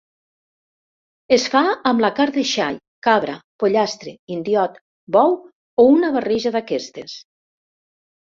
Es fa amb la carn de xai, cabra, pollastre, indiot, bou, o una barreja d'aquestes.